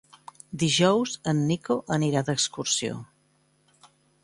Dijous en Nico anirà d'excursió.